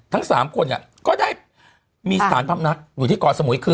ทั้งสามคนเนี่ยก็ได้มีสถานพับนักอยู่ที่เกาะสมุย